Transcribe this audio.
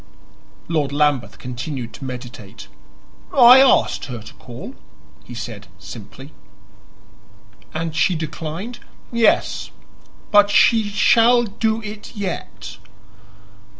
Lord Lambeth continued to meditate. "I asked her to call," he said simply. "And she declined?" "Yes; but she shall do it yet."